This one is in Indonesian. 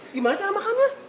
gimana cara makannya